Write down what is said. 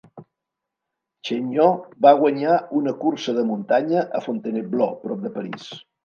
Chaigneau va guanyar una cursa de muntanya a Fontainebleau, prop de París.